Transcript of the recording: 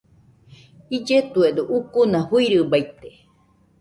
Illetuedo ucuna fɨirɨbaite.